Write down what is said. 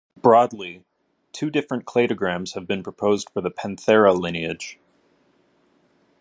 Broadly, two different cladograms have been proposed for the "Panthera" lineage.